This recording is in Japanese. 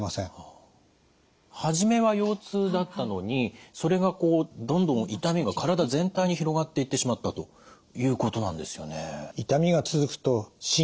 初めは腰痛だったのにそれがこうどんどん痛みが体全体に広がっていってしまったということなんですよね。